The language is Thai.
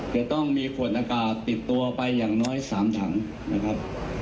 จะต้องมีขวดอากาศติดตัวไปอย่างน้อย๓ถังนะครับ